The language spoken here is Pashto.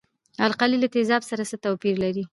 القلي له تیزابو سره څه توپیر لري.